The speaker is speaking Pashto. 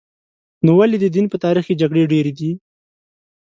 نو ولې د دین په تاریخ کې جګړې ډېرې دي؟